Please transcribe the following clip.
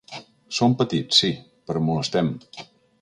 Som petits, sí, però molestem.